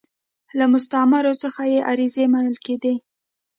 له مستعمرو څخه هم عریضې منل کېدې.